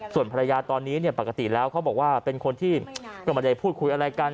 ส่วนภรรยาตอนนี้ปกติแล้วเขาบอกว่าเป็นคนที่ก็ไม่ได้พูดคุยอะไรกัน